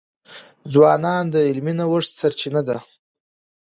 ځوانان د علمي نوښتونو سرچینه دي.